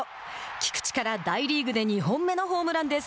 菊池から大リーグで２本目のホームランです。